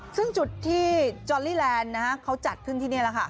ซึ่งจุดที่จอลลี่แลนด์เขาจัดขึ้นที่นี่แหละค่ะ